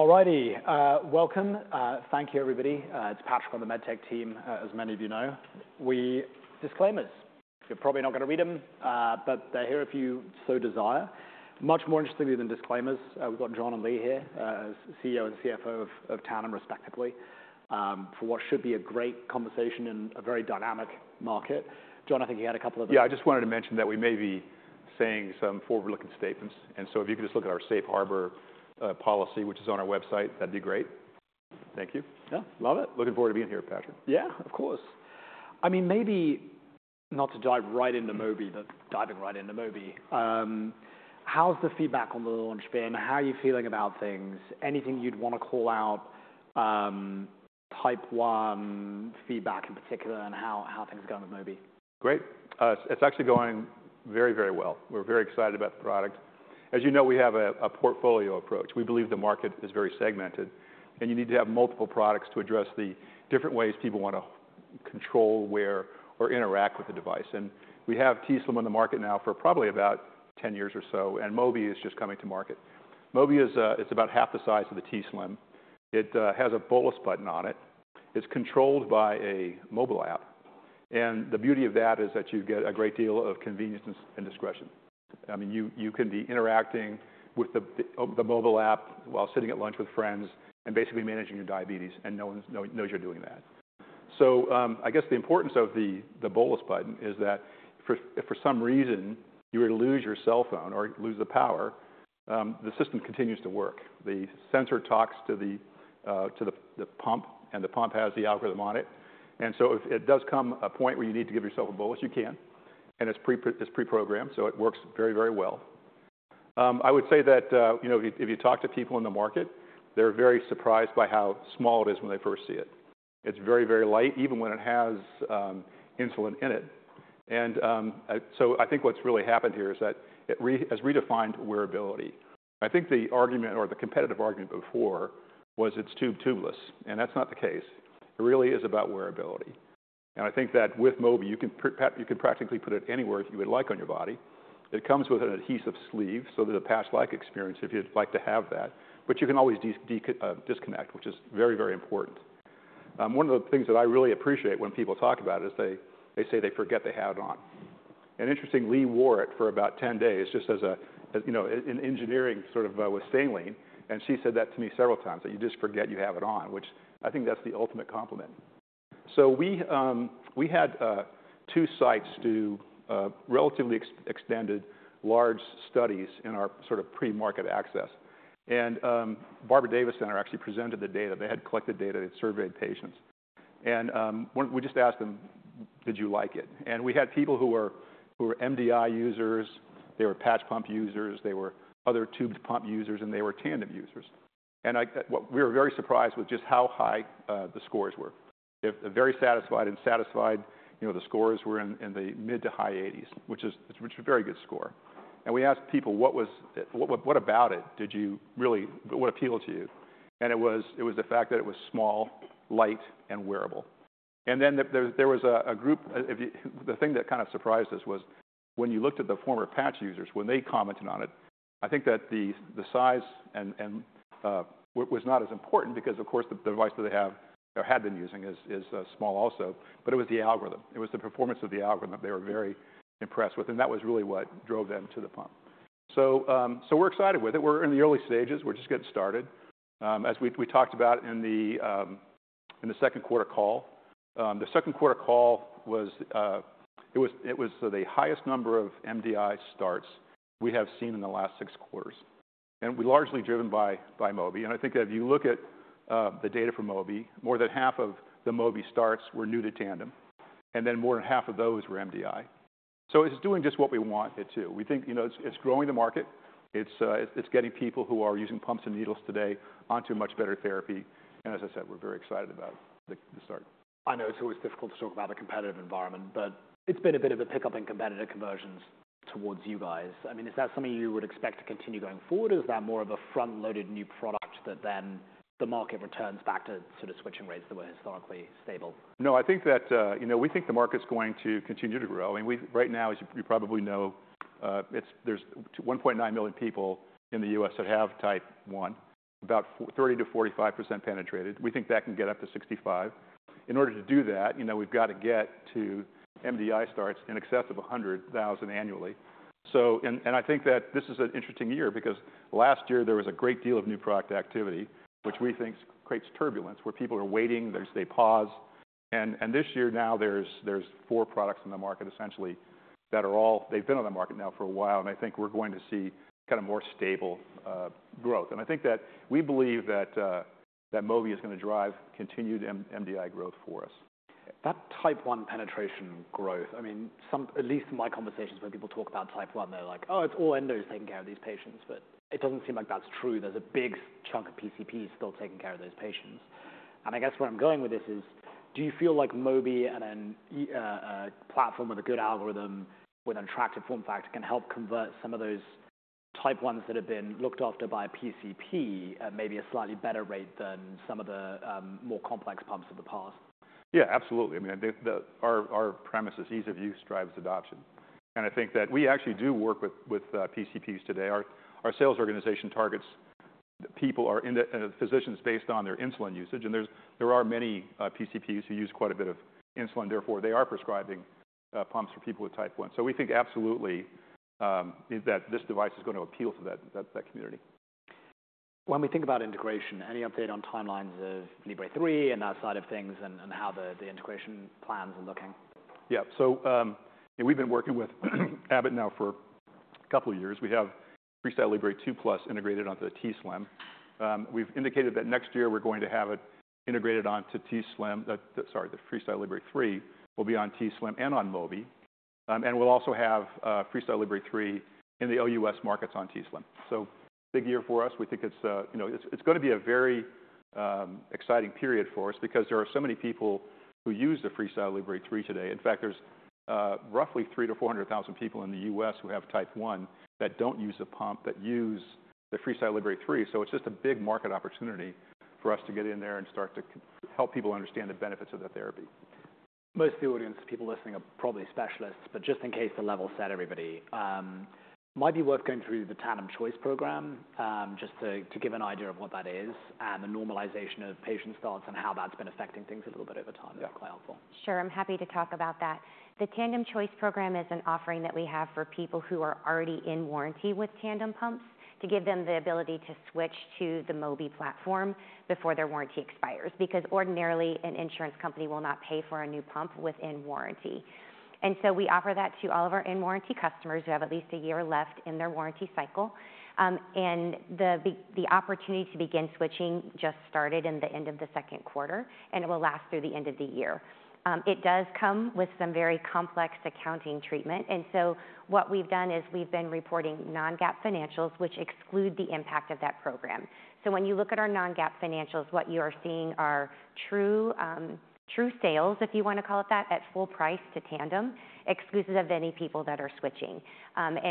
All righty, welcome. Thank you, everybody. It's Patrick from the MedTech team, as many of you know. We disclaimers. You're probably not gonna read them, but they're here if you so desire. Much more interestingly than disclaimers, we've got John and Leigh here, CEO and CFO of Tandem, respectively, for what should be a great conversation in a very dynamic market. John, I think you had a couple of- Yeah, I just wanted to mention that we may be saying some forward-looking statements, and so if you could just look at our safe harbor policy, which is on our website, that'd be great. Thank you. Yeah, love it. Looking forward to being here, Patrick. Yeah, of course. I mean, maybe not to dive right into Mobi, but diving right into Mobi, how's the feedback on the launch been? How are you feeling about things? Anything you'd wanna call out, type 1 feedback in particular, and how, how things are going with Mobi? Great. It's actually going very, very well. We're very excited about the product. As you know, we have a portfolio approach. We believe the market is very segmented, and you need to have multiple products to address the different ways people want to control, wear, or interact with the device. We have t:slim X2 on the market now for probably about ten years or so, and Mobi is just coming to market. Mobi is about half the size of the t:slim X2. It has a bolus button on it. It's controlled by a mobile app, and the beauty of that is that you get a great deal of convenience and discretion. I mean, you can be interacting with the mobile app while sitting at lunch with friends and basically managing your diabetes, and no one knows you're doing that. I guess the importance of the bolus button is that for, if for some reason you were to lose your cell phone or lose the power, the system continues to work. The sensor talks to the pump, and the pump has the algorithm on it. If it does come a point where you need to give yourself a bolus, you can, and it's pre-programmed, so it works very, very well. I would say that, you know, if you talk to people in the market, they're very surprised by how small it is when they first see it. It's very, very light, even when it has insulin in it. I think what's really happened here is that it has redefined wearability. I think the argument or the competitive argument before was it's tube-tubeless, and that's not the case. It really is about wearability. I think that with Mobi, you can practically put it anywhere you would like on your body. It comes with an adhesive sleeve, so there's a patch-like experience if you'd like to have that, but you can always disconnect, which is very, very important. One of the things that I really appreciate when people talk about it is they say they forget they have it on. Interestingly, Leigh wore it for about ten days, just as a, as, you know, in engineering sort of, with saline, and she said that to me several times, that you just forget you have it on, which I think that's the ultimate compliment. We had two sites do relatively extended large studies in our sort of pre-market access. Barbara Davis Center actually presented the data. They had collected data that surveyed patients. One, we just asked them, "Did you like it?" We had people who were MDI users, they were patch pump users, they were other tubed pump users, and they were Tandem users. I, what we were very surprised with was just how high the scores were. If very satisfied and satisfied, you know, the scores were in the mid to high 80s, which is a very good score. We asked people, "What was it, what about it did you really, what appealed to you?" It was the fact that it was small, light, and wearable. There was a group, if you—the thing that kind of surprised us was when you looked at the former patch users, when they commented on it, I think that the size was not as important because, of course, the device that they have or had been using is small also, but it was the algorithm. It was the performance of the algorithm they were very impressed with, and that was really what drove them to the pump. We're excited with it. We're in the early stages. We're just getting started. As we talked about in the second quarter call, the second quarter call was the highest number of MDI starts we have seen in the last six quarters, and we—largely driven by Mobi. I think if you look at the data from Mobi, more than half of the Mobi starts were new to Tandem, and then more than half of those were MDI. It is doing just what we want it to. We think it is growing the market. It is getting people who are using pumps and needles today onto a much better therapy. As I said, we are very excited about the start. I know it's always difficult to talk about a competitive environment, but it's been a bit of a pickup in competitive conversions towards you guys. I mean, is that something you would expect to continue going forward, or is that more of a front-loaded new product that then the market returns back to sort of switching rates that were historically stable? No, I think that, you know, we think the market's going to continue to grow. I mean, we right now, as you, you probably know, it's, there's one point nine million people in the U.S. that have type 1, about the 30%-45% penetrated. We think that can get up to 65%. In order to do that, you know, we've got to get to MDI starts in excess of 100,000 annually. And I think that this is an interesting year because last year there was a great deal of new product activity. Yeah ... which we think creates turbulence, where people are waiting, they pause. This year, now there's four products in the market essentially that are all, they've been on the market now for a while, and I think we're going to see kind of more stable growth. I think that we believe that Mobi is gonna drive continued MDI growth for us. That type 1 penetration growth, I mean, some- at least in my conversations, when people talk about type 1, they're like, "Oh, it's all endos taking care of these patients." It doesn't seem like that's true. There's a big chunk of PCPs still taking care of those patients. I guess where I'm going with this is: do you feel like Mobi and a platform with a good algorithm, with an attractive form factor, can help convert some of those type 1s that have been looked after by a PCP at maybe a slightly better rate than some of the more complex pumps of the past? Yeah, absolutely. I mean, I think our premise is ease of use drives adoption. I think that we actually do work with PCPs today. Our sales organization targets people or physicians based on their insulin usage, and there are many PCPs who use quite a bit of insulin, therefore, they are prescribing pumps for people with Type 1. We think absolutely this device is going to appeal to that community. When we think about integration, any update on timelines of Libre 3 and that side of things, and how the integration plans are looking? Yeah. So, we've been working with Abbott now for a couple of years. We have FreeStyle Libre 2 Plus integrated onto the t:slim X2. We've indicated that next year we're going to have it integrated onto t:slim X2. Sorry, the FreeStyle Libre 3 will be on t:slim X2 and on Mobi. And we'll also have FreeStyle Libre 3 in the US markets on t:slim X2. Big year for us. We think it's, you know, it's going to be a very exciting period for us because there are so many people who use the FreeStyle Libre 3 today. In fact, there's roughly 300,000-400,000 people in the US who have Type 1, that don't use a pump, that use the FreeStyle Libre 3. It's just a big market opportunity for us to get in there and start to help people understand the benefits of the therapy. Most of the audience, people listening, are probably specialists, but just in case to level set everybody, it might be worth going through the Tandem Choice Program, just to give an idea of what that is and the normalization of patient starts and how that's been affecting things a little bit over time. Yeah. That'd be helpful. Sure, I'm happy to talk about that. The Tandem Choice Program is an offering that we have for people who are already in warranty with Tandem pumps, to give them the ability to switch to the Mobi platform before their warranty expires. Because ordinarily, an insurance company will not pay for a new pump within warranty. We offer that to all of our in-warranty customers who have at least a year left in their warranty cycle. The opportunity to begin switching just started in the end of the second quarter, and it will last through the end of the year. It does come with some very complex accounting treatment, and what we've done is we've been reporting non-GAAP financials, which exclude the impact of that program. When you look at our non-GAAP financials, what you are seeing are true, true sales, if you want to call it that, at full price to Tandem, exclusive of any people that are switching.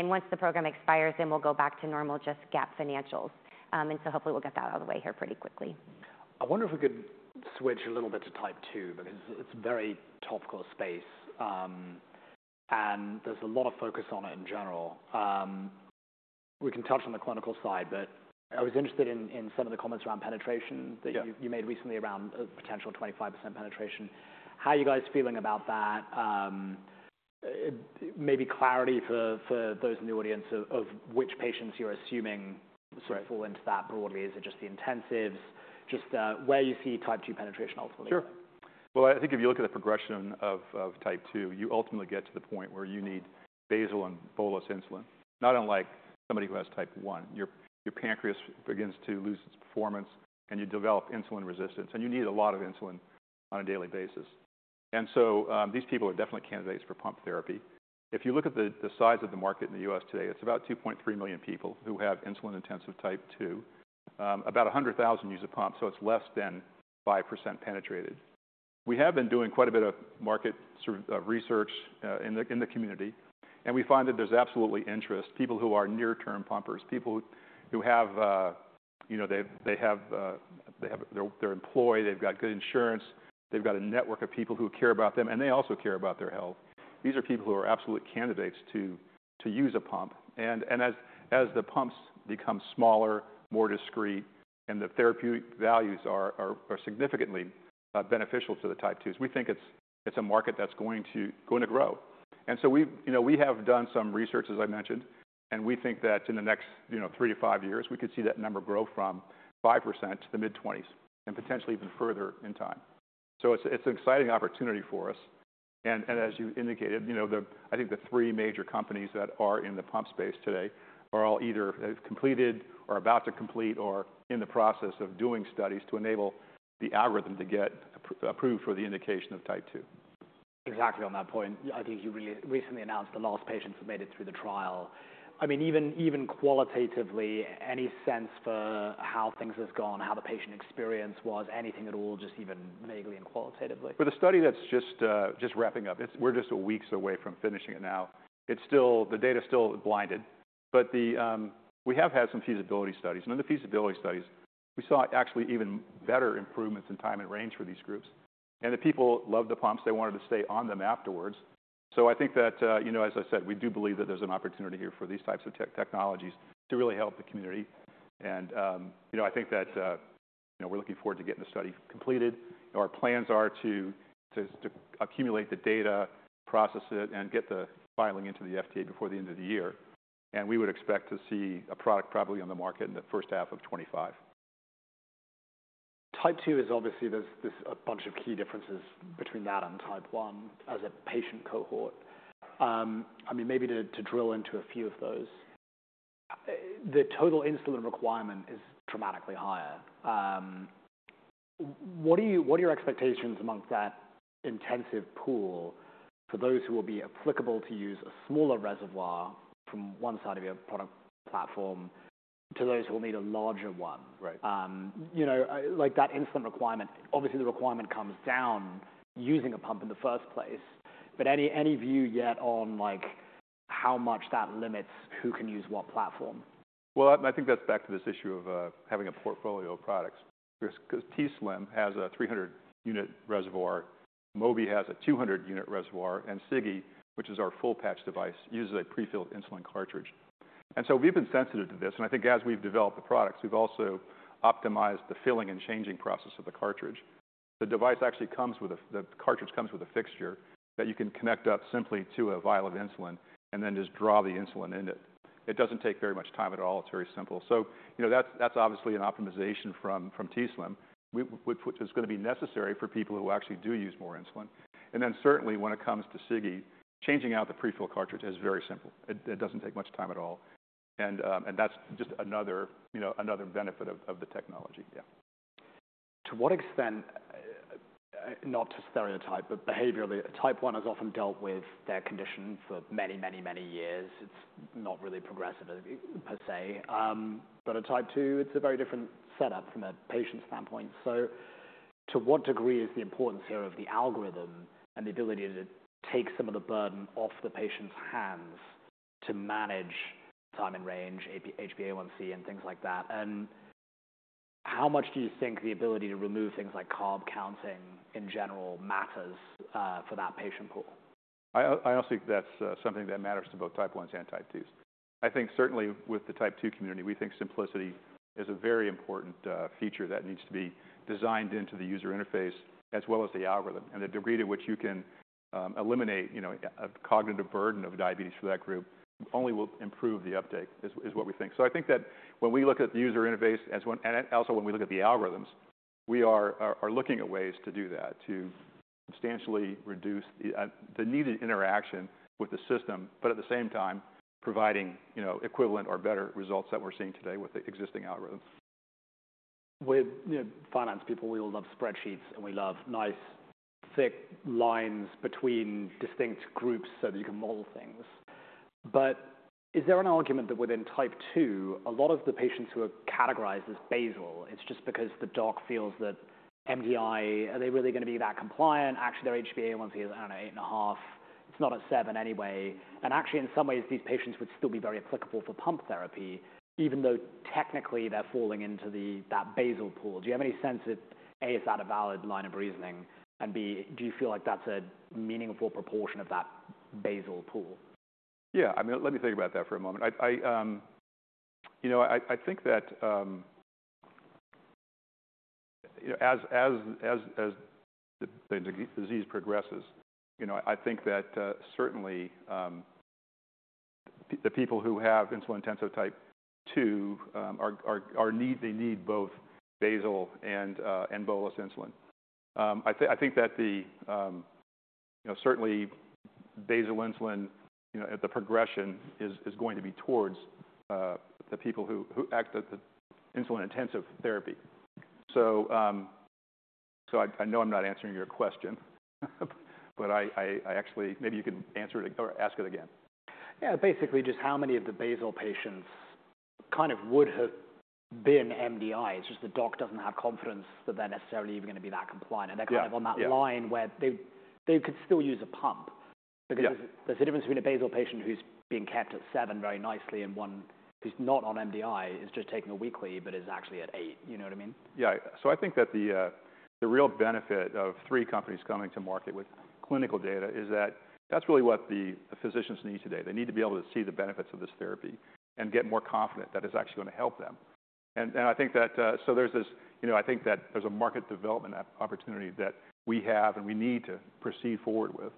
Once the program expires, then we'll go back to normal, just GAAP financials. Hopefully we'll get that out of the way here pretty quickly. I wonder if we could switch a little bit to Type 2, because it's a very topical space, and there's a lot of focus on it in general. We can touch on the clinical side, but I was interested in, in some of the comments around penetration- Yeah that you, you made recently around a potential 25% penetration. How are you guys feeling about that? Maybe clarity for, for those in the audience of, of which patients you're assuming- Right sort of fall into that broadly. Is it just the intensives? Just, where you see Type 2 penetration ultimately? Sure. I think if you look at the progression of, of Type 2, you ultimately get to the point where you need basal and bolus insulin, not unlike somebody who has Type 1. Your pancreas begins to lose its performance, and you develop insulin resistance, and you need a lot of insulin on a daily basis. These people are definitely candidates for pump therapy. If you look at the size of the market in the U.S. today, it's about 2.3 million people who have insulin-intensive Type 2. About 100,000 use a pump, so it's less than 5% penetrated. We have been doing quite a bit of market sort of research in the community, and we find that there's absolutely interest. People who are near-term pumpers, people who have, you know, they have, they have... They're, they're employed, they've got good insurance, they've got a network of people who care about them, and they also care about their health. These are people who are absolute candidates to use a pump. As the pumps become smaller, more discreet, and the therapeutic values are significantly beneficial to the Type 2s, we think it's a market that's going to grow. We have done some research, as I mentioned, and we think that in the next three to five years, we could see that number grow from 5% to the mid-20s, and potentially even further in time. It's an exciting opportunity for us. As you indicated, you know, I think the three major companies that are in the pump space today are all either have completed, or about to complete, or in the process of doing studies to enable the algorithm to get approved for the indication of Type 2. Exactly. On that point, I think you really recently announced the last patients have made it through the trial. I mean, even qualitatively, any sense for how things have gone, how the patient experience was? Anything at all, just even vaguely and qualitatively. For the study, that's just wrapping up. We're just weeks away from finishing it now. The data is still blinded, but we have had some feasibility studies. In the feasibility studies, we saw actually even better improvements in time in range for these groups. The people loved the pumps. They wanted to stay on them afterwards. I think that, you know, as I said, we do believe that there's an opportunity here for these types of technologies to really help the community. You know, I think that, you know, we're looking forward to getting the study completed. Our plans are to accumulate the data, process it, and get the filing into the FDA before the end of the year. We would expect to see a product probably on the market in the first half of 2025. Type 2 is obviously there's, there's a bunch of key differences between that and Type 1 as a patient cohort. I mean, maybe to, to drill into a few of those. The total insulin requirement is dramatically higher. What are you-- what are your expectations amongst that intensive pool for those who will be applicable to use a smaller reservoir from one side of your product platform to those who will need a larger one? Right. You know, like that insulin requirement, obviously, the requirement comes down using a pump in the first place. But any, any view yet on, like, how much that limits who can use what platform? I think that's back to this issue of having a portfolio of products. Because t:slim X2 has a 300 unit reservoir, Mobi has a 200 unit reservoir, and Sigi, which is our full patch device, uses a prefilled insulin cartridge. We've been sensitive to this, and I think as we've developed the products, we've also optimized the filling and changing process of the cartridge. The device actually comes with a—the cartridge comes with a fixture that you can connect up simply to a vial of insulin and then just draw the insulin in it. It doesn't take very much time at all. It's very simple. You know, that's obviously an optimization from t:slim X2, which is going to be necessary for people who actually do use more insulin. When it comes to Sigi, changing out the prefill cartridge is very simple. It does not take much time at all, and that is just another, you know, another benefit of the technology. Yeah. To what extent, not to stereotype, but behaviorally, Type 1 has often dealt with their condition for many, many, many years. It's not really progressive, per se. A Type 2, it's a very different setup from a patient standpoint. To what degree is the importance here of the algorithm and the ability to take some of the burden off the patient's hands to manage time in range, HbA1c, and things like that? How much do you think the ability to remove things like carb counting in general matters for that patient pool? I honestly think that's something that matters to both Type 1s and Type 2s. I think certainly with the Type II community, we think simplicity is a very important feature that needs to be designed into the user interface as well as the algorithm. The degree to which you can eliminate, you know, a cognitive burden of diabetes for that group only will improve the uptake, is what we think. I think that when we look at the user interface as when... and also when we look at the algorithms, we are looking at ways to do that, to substantially reduce the needed interaction with the system, but at the same time, providing, you know, equivalent or better results that we're seeing today with the existing algorithms. With, you know, finance people, we all love spreadsheets, and we love nice, thick lines between distinct groups so that you can model things. Is there an argument that within Type 2, a lot of the patients who are categorized as basal, it's just because the doc feels that MDI, are they really gonna be that compliant? Actually, their HbA1c is, I don't know, eight and a half. It's not at seven anyway. Actually, in some ways, these patients would still be very applicable for pump therapy, even though technically they're falling into that basal pool. Do you have any sense if, A, is that a valid line of reasoning, and B, do you feel like that's a meaningful proportion of that basal pool? Yeah, I mean, let me think about that for a moment. I, am, you know, I, I think that, you know, as the disease progresses, you know, I think that certainly, the people who have insulin intensive Type 2 are, are, are need-- they need both basal and, and bolus insulin. I think that the, you know, certainly basal insulin, you know, at the progression is going to be towards the people who, who act at the insulin-intensive therapy. I know I'm not answering your question, but I actually maybe you can answer it or ask it again. Yeah, basically, just how many of the basal patients kind of would have been MDIs? It's just the doc doesn't have confidence that they're necessarily even gonna be that compliant. Yeah. - and they're kind of on that line. Yeah where they could still use a pump. Yeah. Because there's a difference between a basal patient who's being kept at seven very nicely and one who's not on MDI, is just taking a weekly, but is actually at eight. You know what I mean? Yeah. I think that the real benefit of three companies coming to market with clinical data is that that's really what the physicians need today. They need to be able to see the benefits of this therapy and get more confident that it's actually gonna help them. I think that there's a market development opportunity that we have, and we need to proceed forward with.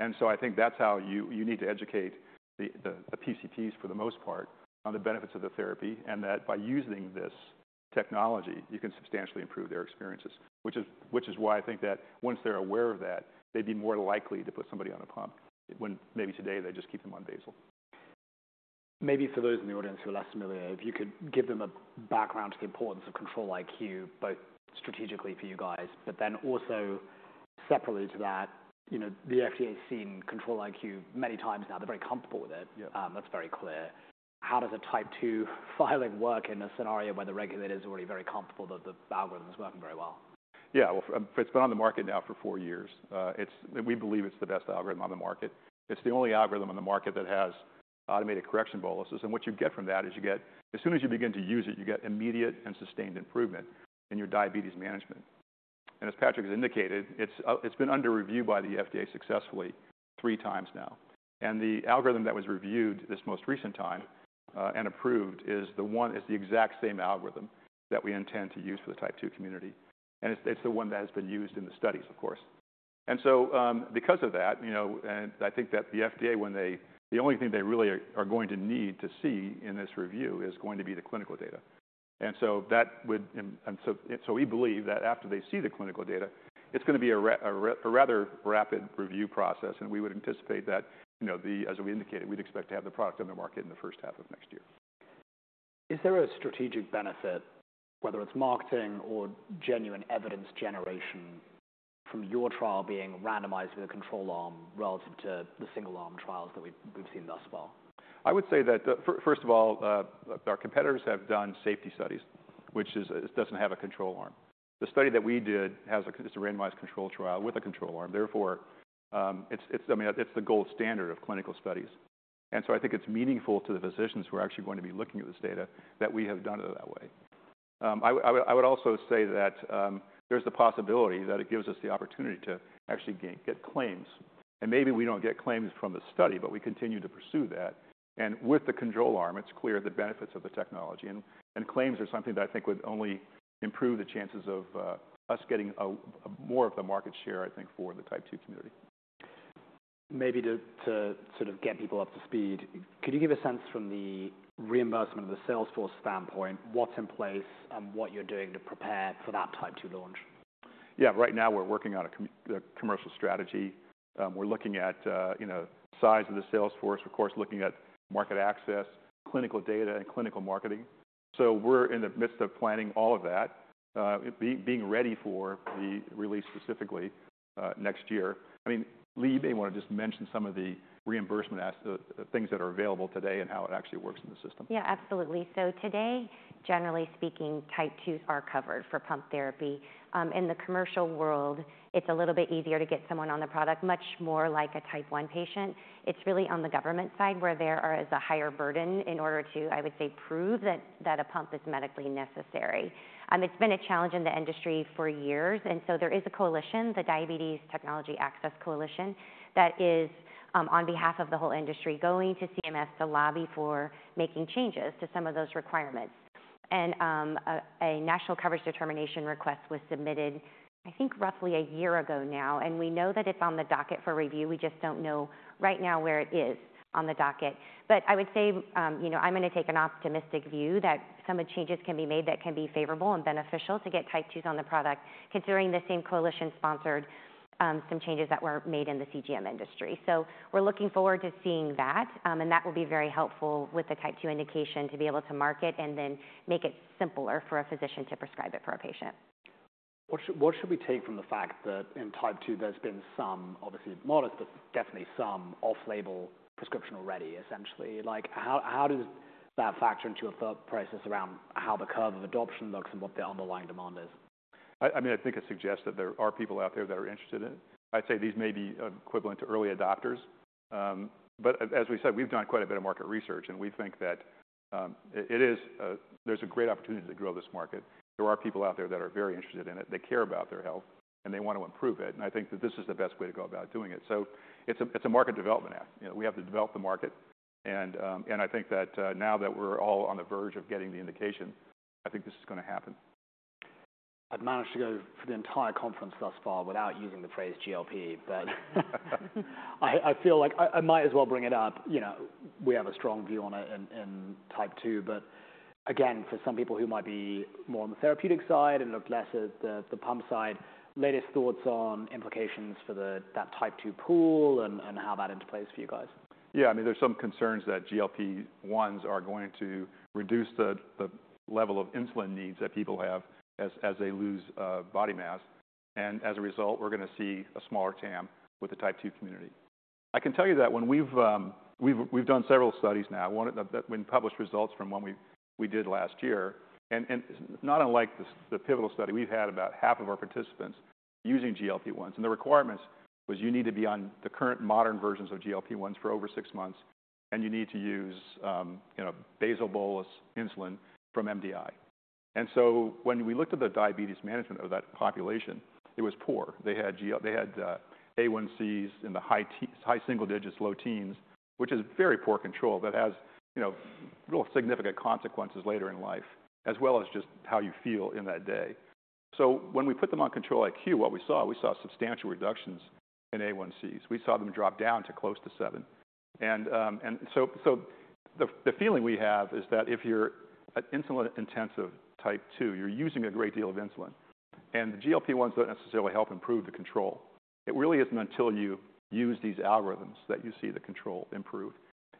I think that's how you need to educate the PCPs for the most part, on the benefits of the therapy, and that by using this technology, you can substantially improve their experiences. Which is why I think that once they're aware of that, they'd be more likely to put somebody on a pump when maybe today they just keep them on basal. Maybe for those in the audience who are less familiar, if you could give them a background to the importance of Control-IQ, both strategically for you guys, but then also separately to that, you know, the FDA has seen Control-IQ many times now. They're very comfortable with it. Yeah. That's very clear. How does a Type II filing work in a scenario where the regulator is already very comfortable that the algorithm is working very well? Yeah, it's been on the market now for four years. It's... we believe it's the best algorithm on the market. It's the only algorithm on the market that has automated correction boluses. What you get from that is you get, as soon as you begin to use it, you get immediate and sustained improvement in your diabetes management. As Patrick has indicated, it's been under review by the FDA successfully three times now. The algorithm that was reviewed this most recent time and approved is the exact same algorithm that we intend to use for the Type 2 community, and it's the one that has been used in the studies, of course. Because of that, you know, I think that the FDA, when they—the only thing they really are going to need to see in this review is going to be the clinical data. That would... So we believe that after they see the clinical data, it's gonna be a rather rapid review process, and we would anticipate that, you know, as we indicated, we'd expect to have the product on the market in the first half of next year. Is there a strategic benefit, whether it's marketing or genuine evidence generation, from your trial being randomized with a control arm relative to the single-arm trials that we've seen thus far? I would say that the, first of all, our competitors have done safety studies, which is, it doesn't have a control arm. The study that we did has a, it's a randomized control trial with a control arm. Therefore, it's, it's, I mean, it's the gold standard of clinical studies, and so I think it's meaningful to the physicians who are actually going to be looking at this data that we have done it that way. I, I would, I would also say that, there's the possibility that it gives us the opportunity to actually gain, get claims, and maybe we don't get claims from the study, but we continue to pursue that. With the control arm, it's clear the benefits of the technology, and claims are something that I think would only improve the chances of us getting more of the market share, I think, for the Type 2 community. Maybe to sort of get people up to speed, could you give a sense from the reimbursement or the sales force standpoint, what's in place and what you're doing to prepare for that Type 2 launch? Yeah. Right now, we're working on a commercial strategy. We're looking at, you know, size of the sales force, of course, looking at market access, clinical data, and clinical marketing. We're in the midst of planning all of that, being ready for the release, specifically, next year. I mean, Leigh, you may want to just mention some of the reimbursement things that are available today and how it actually works in the system. Yeah, absolutely. Today, generally speaking, Type 2s are covered for pump therapy. In the commercial world, it's a little bit easier to get someone on the product, much more like a Type 1 patient. It's really on the government side, where there is a higher burden in order to, I would say, prove that a pump is medically necessary. It's been a challenge in the industry for years, and there is a coalition, the Diabetes Technology Access Coalition, that is, on behalf of the whole industry, going to CMS to lobby for making changes to some of those requirements. A national coverage determination request was submitted, I think, roughly a year ago now, and we know that it's on the docket for review. We just don't know right now where it is on the docket. I would say, you know, I'm gonna take an optimistic view that some changes can be made that can be favorable and beneficial to get Type 2s on the product, considering the same coalition sponsored some changes that were made in the CGM industry. We're looking forward to seeing that, and that will be very helpful with the Type II indication to be able to market and then make it simpler for a physician to prescribe it for a patient. What should, what should we take from the fact that in Type 2, there's been some obviously modest, but definitely some off-label prescription already, essentially? Like, how, how does that factor into your thought process around how the curve of adoption looks and what the underlying demand is? I mean, I think it suggests that there are people out there that are interested in it. I'd say these may be equivalent to early adopters, but as we said, we've done quite a bit of market research, and we think that it is a, there's a great opportunity to grow this market. There are people out there that are very interested in it. They care about their health, and they want to improve it, and I think that this is the best way to go about doing it. It's a market development act. You know, we have to develop the market, and I think that now that we're all on the verge of getting the indication, I think this is gonna happen. I've managed to go through the entire conference thus far without using the phrase GLP, but I feel like I might as well bring it up. You know, we have a strong view on it in Type 2, but again, for some people who might be more on the therapeutic side and look less at the pump side, latest thoughts on implications for that Type 2 pool and how that interplays for you guys. Yeah, I mean, there's some concerns that GLP-1s are going to reduce the level of insulin needs that people have as they lose body mass, and as a result, we're gonna see a smaller TAM with the Type 2 community. I can tell you that when we've done several studies now, one of the—we published results from one we did last year. Not unlike the pivotal study, we've had about half of our participants using GLP-1s, and the requirement was you need to be on the current modern versions of GLP-1s for over six months, and you need to use, you know, basal bolus insulin from MDI. When we looked at the diabetes management of that population, it was poor. They had A1Cs in the high single digits, low teens, which is very poor control that has, you know, real significant consequences later in life, as well as just how you feel in that day. When we put them on Control-IQ, we saw substantial reductions in A1Cs. We saw them drop down to close to seven. The feeling we have is that if you're an insulin-intensive Type 2, you're using a great deal of insulin, and the GLP-1s don't necessarily help improve the control. It really isn't until you use these algorithms that you see the control improve,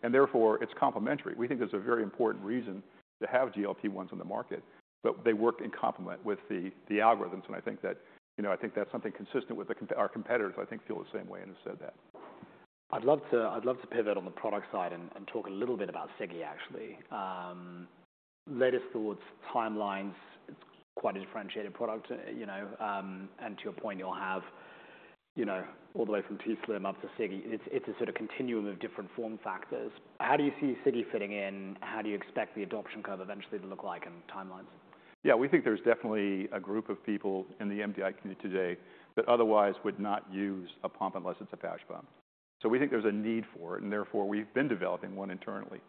and therefore, it's complementary. We think there's a very important reason to have GLP-1s on the market, but they work in complement with the algorithms, and I think that... You know, I think that's something consistent with our competitors, I think, feel the same way and have said that. I'd love to pivot on the product side and talk a little bit about Sigi, actually. Latest thoughts, timelines, quite a differentiated product, you know, and to a point, you'll have, you know, all the way from t:slim up to Sigi. It's a sort of continuum of different form factors. How do you see Sigi fitting in? How do you expect the adoption curve eventually to look like and timelines? Yeah, we think there's definitely a group of people in the MDI community today that otherwise would not use a pump unless it's a patch pump. We think there's a need for it, and therefore, we've been developing one internally.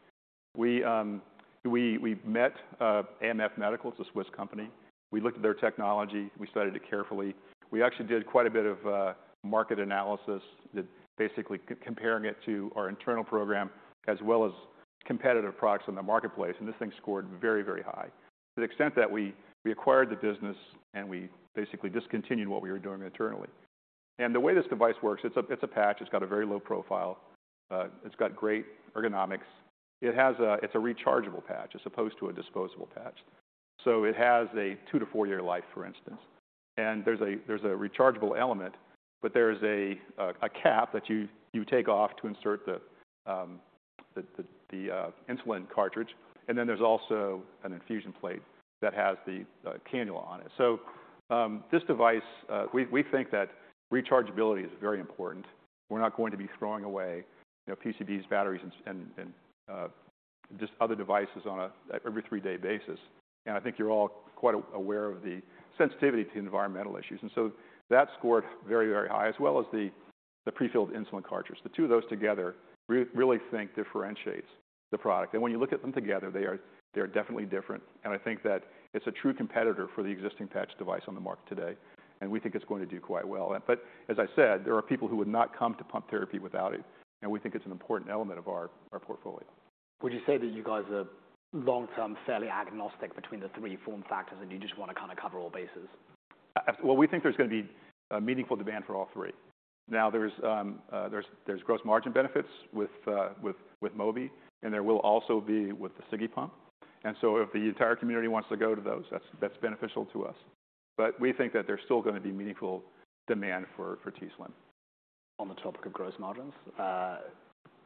We met AMF Medical. It's a Swiss company. We looked at their technology. We studied it carefully. We actually did quite a bit of market analysis that basically comparing it to our internal program, as well as competitive products in the marketplace, and this thing scored very, very high. To the extent that we acquired the business, and we basically discontinued what we were doing internally. The way this device works, it's a patch. It's got a very low profile. It's got great ergonomics. It has a—it's a rechargeable patch as opposed to a disposable patch. It has a two to four-year life, for instance. There is a rechargeable element, but there is a cap that you take off to insert the insulin cartridge, and then there is also an infusion plate that has the cannula on it. This device, we think that rechargeability is very important. We're not going to be throwing away, you know, PCBs, batteries, and just other devices on an every three-day basis. I think you're all quite aware of the sensitivity to environmental issues, and that scored very, very high, as well as the prefilled insulin cartridge. The two of those together, we really think differentiates the product. When you look at them together, they are definitely different, and I think that it's a true competitor for the existing patch device on the market today, and we think it's going to do quite well. As I said, there are people who would not come to pump therapy without it, and we think it's an important element of our portfolio. Would you say that you guys are long-term fairly agnostic between the three form factors, and you just want to kind of cover all bases? Well, we think there's going to be a meaningful demand for all three. Now, there's gross margin benefits with Mobi, and there will also be with the Sigi pump. If the entire community wants to go to those, that's beneficial to us. We think that there's still gonna be meaningful demand for T Slim. On the topic of gross margins,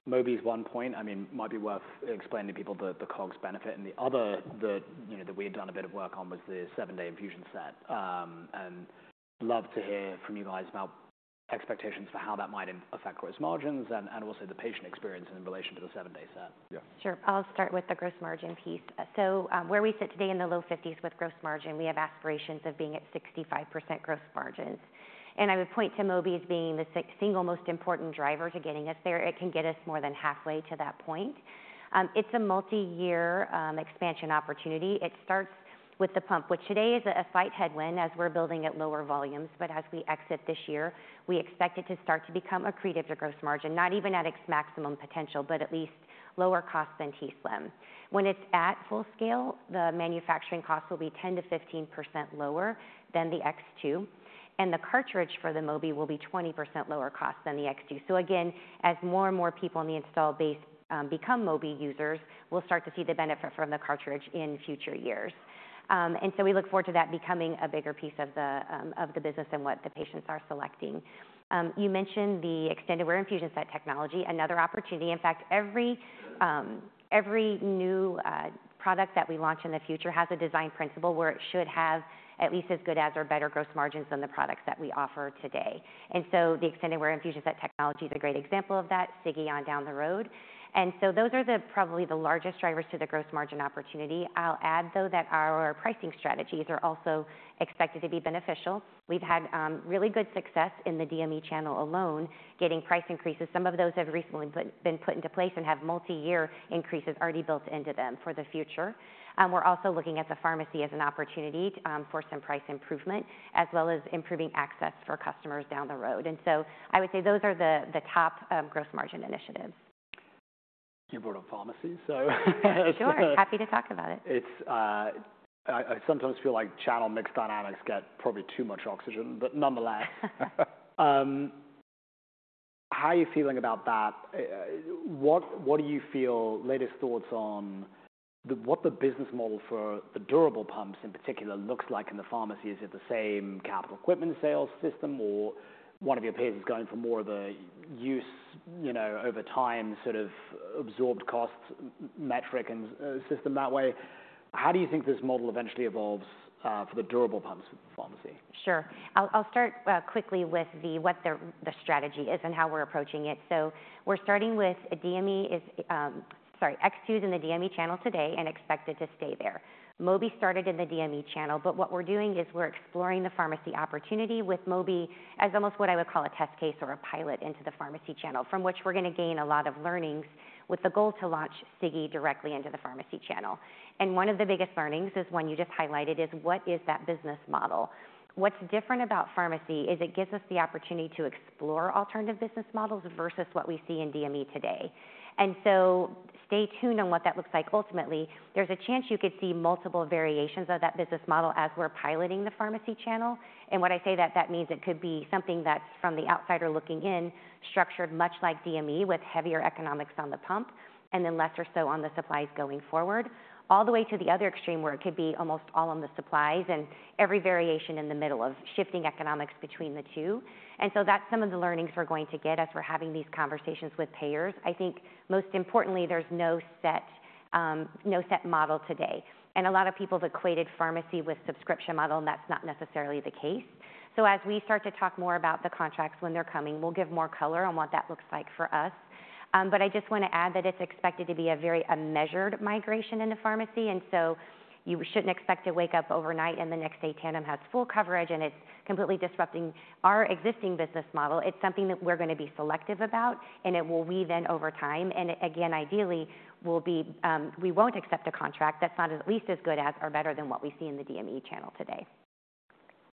Mobi is one point. I mean, it might be worth explaining to people the COGS benefit. The other that, you know, that we had done a bit of work on was the seven-day infusion set. And love to hear from you guys about expectations for how that might affect gross margins and also the patient experience in relation to the seven-day set. Yeah. Sure. I'll start with the gross margin piece. Where we sit today in the low fifties with gross margin, we have aspirations of being at 65% gross margins. I would point to Mobi as being the single most important driver to getting us there. It can get us more than halfway to that point. It's a multiyear expansion opportunity. It starts with the pump, which today is a slight headwind as we're building at lower volumes, but as we exit this year, we expect it to start to become accretive to gross margin, not even at its maximum potential, but at least lower cost than T Slim. When it's at full scale, the manufacturing cost will be 10-15% lower than the X2, and the cartridge for the Mobi will be 20% lower cost than the X2. Again, as more and more people in the installed base become Mobi users, we'll start to see the benefit from the cartridge in future years. We look forward to that becoming a bigger piece of the business and what the patients are selecting. You mentioned the extended wear infusion set technology, another opportunity. In fact, every new product that we launch in the future has a design principle where it should have at least as good as or better gross margins than the products that we offer today. The extended wear infusion set technology is a great example of that, Sigi on down the road. Those are probably the largest drivers to the gross margin opportunity. I'll add, though, that our pricing strategies are also expected to be beneficial. We've had really good success in the DME channel alone, getting price increases. Some of those have recently been put into place and have multiyear increases already built into them for the future. We're also looking at the pharmacy as an opportunity for some price improvement, as well as improving access for customers down the road. I would say those are the top gross margin initiatives. You brought up pharmacy, so... Sure, happy to talk about it. It's, I sometimes feel like channel mix dynamics get probably too much oxygen, but nonetheless. How are you feeling about that? What do you feel latest thoughts on the-- what the business model for the durable pumps, in particular, looks like in the pharmacy? Is it the same capital equipment sales system or one of your peers is going for more of a use, you know, over time, sort of, absorbed costs, metric and, system that way? How do you think this model eventually evolves, for the durable pumps pharmacy? Sure. I'll start quickly with what the strategy is and how we're approaching it. We're starting with DME. X2 is in the DME channel today and expected to stay there. Mobi started in the DME channel, but what we're doing is we're exploring the pharmacy opportunity with Mobi as almost what I would call a test case or a pilot into the pharmacy channel, from which we're going to gain a lot of learnings with the goal to launch Sigi directly into the pharmacy channel. One of the biggest learnings is one you just highlighted, is what is that business model? What's different about pharmacy is it gives us the opportunity to explore alternative business models versus what we see in DME today. Stay tuned on what that looks like. Ultimately, there's a chance you could see multiple variations of that business model as we're piloting the pharmacy channel. When I say that, that means it could be something that's, from the outsider looking in, structured much like DME, with heavier economics on the pump and then less or so on the supplies going forward, all the way to the other extreme, where it could be almost all on the supplies and every variation in the middle of shifting economics between the two. That's some of the learnings we're going to get as we're having these conversations with payers. I think most importantly, there's no set, no set model today, and a lot of people have equated pharmacy with subscription model, and that's not necessarily the case. As we start to talk more about the contracts, when they're coming, we'll give more color on what that looks like for us. I just want to add that it's expected to be a very, a measured migration into pharmacy, and you shouldn't expect to wake up overnight and the next day Tandem has full coverage, and it's completely disrupting our existing business model. It's something that we're going to be selective about, and it will weave in over time. Again, ideally, we won't accept a contract that's not at least as good as or better than what we see in the DME channel today.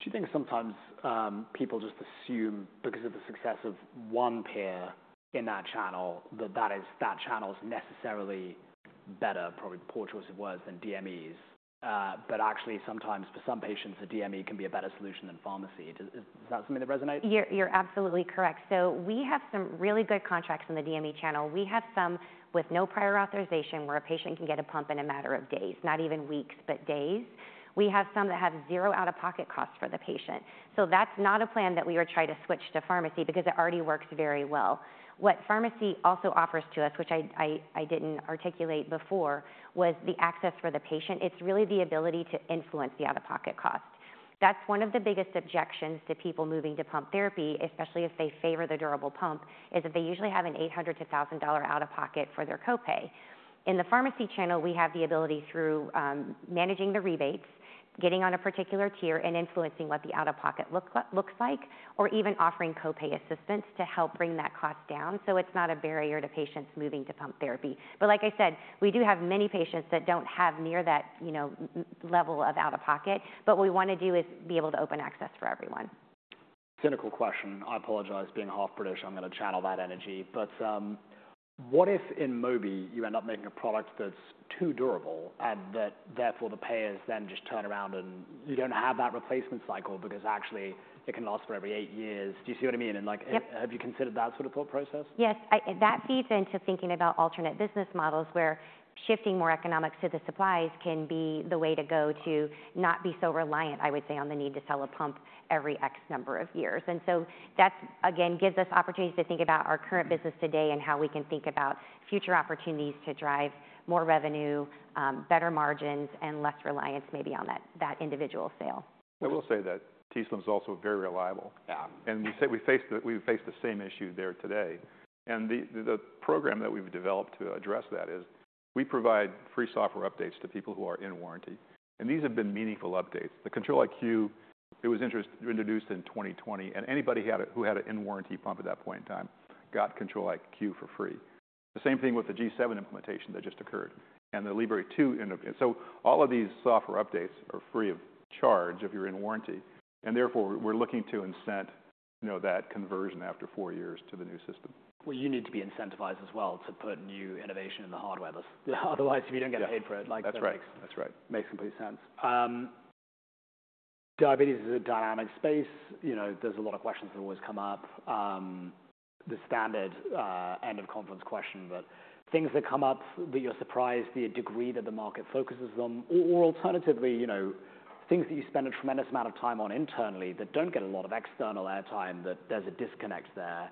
Do you think sometimes people just assume because of the success of one payer in that channel, that that channel is necessarily better, probably poor choice of words than DMEs. Actually, sometimes for some patients, a DME can be a better solution than pharmacy. Does, is that something that resonates? You're absolutely correct. We have some really good contracts in the DME channel. We have some with no prior authorization, where a patient can get a pump in a matter of days, not even weeks, but days. We have some that have zero out-of-pocket costs for the patient. That's not a plan that we would try to switch to pharmacy because it already works very well. What pharmacy also offers to us, which I didn't articulate before, was the access for the patient. It's really the ability to influence the out-of-pocket cost. That's one of the biggest objections to people moving to pump therapy, especially if they favor the durable pump, is that they usually have an $800 to $1,000 out-of-pocket for their copay. In the pharmacy channel, we have the ability, through managing the rebates, getting on a particular tier, and influencing what the out-of-pocket looks like, or even offering copay assistance to help bring that cost down. It is not a barrier to patients moving to pump therapy. Like I said, we do have many patients that do not have near that level of out-of-pocket, but what we want to do is be able to open access for everyone. Cynical question, I apologize. Being half British, I'm going to channel that energy. What if in Mobi, you end up making a product that's too durable and that therefore the payers then just turn around and you don't have that replacement cycle because actually it can last for every eight years? Do you see what I mean? Yep. Have you considered that sort of thought process? Yes, I... That feeds into thinking about alternate business models, where shifting more economics to the supplies can be the way to go to not be so reliant, I would say, on the need to sell a pump every X number of years. That, again, gives us opportunities to think about our current business today and how we can think about future opportunities to drive more revenue, better margins, and less reliance maybe on that, that individual sale. I will say that t:slim X2 is also very reliable. Yeah. We face the same issue there today. The program that we've developed to address that is we provide free software updates to people who are in warranty, and these have been meaningful updates. The Control-IQ, it was introduced in 2020, and anybody who had an in-warranty pump at that point in time got Control-IQ for free. The same thing with the G7 implementation that just occurred and the Libre 2. All of these software updates are free of charge if you're in warranty, and therefore, we're looking to incent, you know, that conversion after four years to the new system. You need to be incentivized as well to put new innovation in the hardware. Otherwise, if you don't get paid for it, like— That's right. That's right. Makes complete sense. Diabetes is a dynamic space. You know, there's a lot of questions that always come up. The standard end of conference question, but things that come up that you're surprised the degree that the market focuses on, or alternatively, you know, things that you spend a tremendous amount of time on internally that don't get a lot of external airtime, that there's a disconnect there.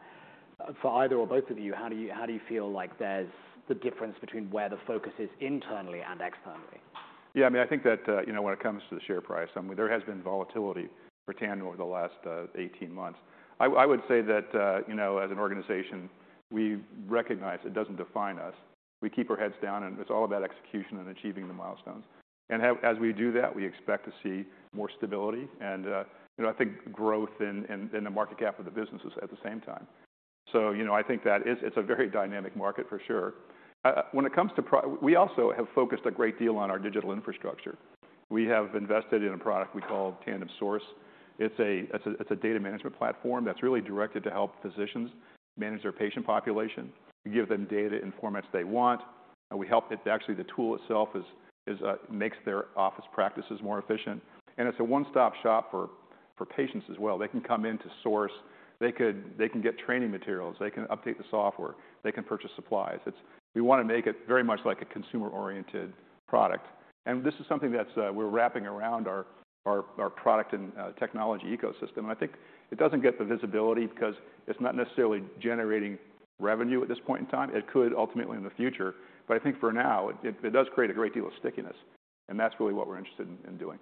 For either or both of you, how do you, how do you feel like there's the difference between where the focus is internally and externally? Yeah, I mean, I think that, you know, when it comes to the share price, I mean, there has been volatility for Tandem over the last eighteen months. I would say that, you know, as an organization, we recognize it does not define us. We keep our heads down, and it is all about execution and achieving the milestones. As we do that, we expect to see more stability and, you know, I think growth in the market cap of the businesses at the same time. You know, I think that it is a very dynamic market for sure. When it comes to pro-- we also have focused a great deal on our digital infrastructure. We have invested in a product we call Tandem Source. It's a data management platform that's really directed to help physicians manage their patient population, and give them data in formats they want, and we help... It, actually, the tool itself makes their office practices more efficient. It's a one-stop shop for patients as well. They can come in to Source, they can get training materials, they can update the software, they can purchase supplies. We want to make it very much like a consumer-oriented product. This is something that's, we're wrapping around our product and technology ecosystem. I think it doesn't get the visibility because it's not necessarily generating revenue at this point in time. It could ultimately in the future, but I think for now, it does create a great deal of stickiness, and that's really what we're interested in doing.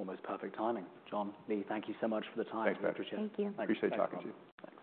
Almost perfect timing. John, Leigh, thank you so much for the time. Thanks, Patrick. Thank you. Appreciate talking to you. Thanks.